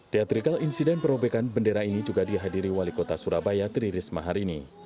teatrikal insiden perobekan bendera ini juga dihadiri wali kota surabaya tri risma hari ini